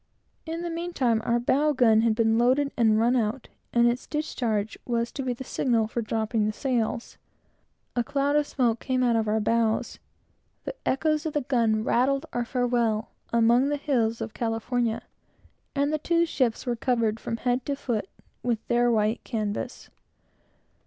In the mean time our bow gun had been loaded and run out, and its discharge was to be the signal for dropping sails. A cloud of smoke came out of our bows; the echoes of the gun rattled our farewell among the hills of California; and the two ships were covered, from head to foot, with their white canvas.